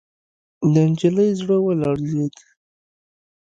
د نجلۍ زړه ولړزېد.